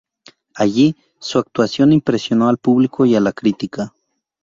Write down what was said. Allí, su actuación impresionó al público y a la crítica.